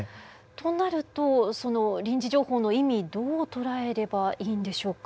となるとその臨時情報の意味どう捉えればいいんでしょうか？